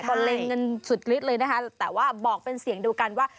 ใช่ก็เล็งเงินสุดลิดเลยนะคะแต่ว่าบอกเป็นเสียงดูกันว่า